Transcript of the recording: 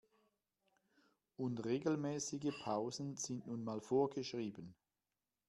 Und regelmäßige Pausen sind nun mal vorgeschrieben.